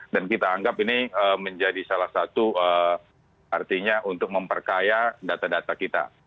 dan kita anggap ini menjadi salah satu artinya untuk memperkaya data data kita